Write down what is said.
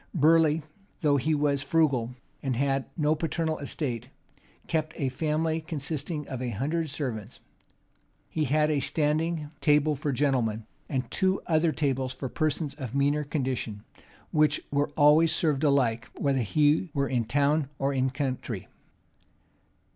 Burleigh, though he was frugal, and had no paternal estate, kept a family consisting of a hundred servants.[] He had a standing table for gentlemen, and two other tables for persons of meaner condition, which were always served alike, whether he were in town or in the country.